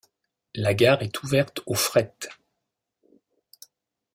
La gare est ouverte au fret.